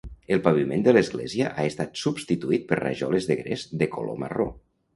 El paviment de l'església ha estat substituït per rajoles de gres de color marró.